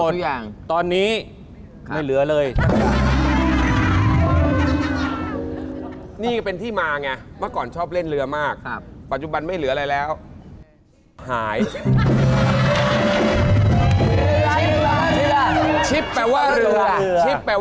รถมีเมื่อเครื่องบิน